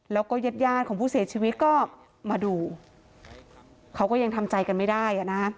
แล้วก็เย็ดยานะคะผู้เสียชีวิตก็มาดูเขาก็ยังทำใจกันไม่ได้